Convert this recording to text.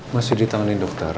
masih ditangani dokter